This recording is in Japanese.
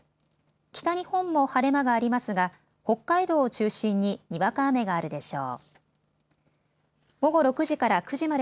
北日本も晴れ間がありますが、北海道を中心ににわか雨があるでしょう。